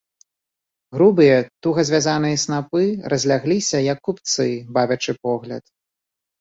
Грубыя, туга звязаныя снапы разлягліся, як купцы, бавячы погляд.